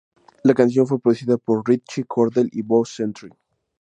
La canción fue producida por Ritchie Cordell y Bo Gentry.